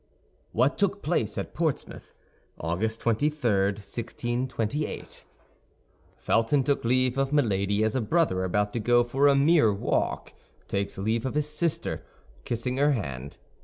WHAT TOOK PLACE AT PORTSMOUTH AUGUST 23, 1628 Felton took leave of Milady as a brother about to go for a mere walk takes leave of his sister, kissing her hand.